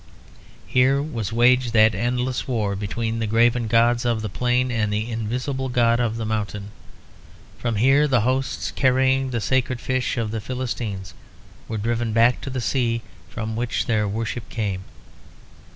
Here was waged that endless war between the graven gods of the plain and the invisible god of the mountain; from here the hosts carrying the sacred fish of the Philistines were driven back to the sea from which their worship came.